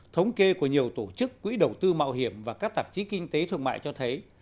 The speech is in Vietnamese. thống kê của nhiều tổ chức quỹ đầu tư mạo hiểm và các tạp chí kinh tế thương mại cho thấy